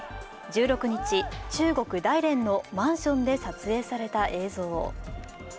１６日、中国・大連のマンションで撮影された映像。